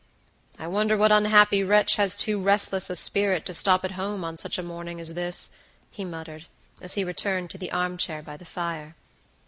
"I wonder what unhappy wretch has too restless a spirit to stop at home on such a morning as this," he muttered, as he returned to the arm chair by the fire.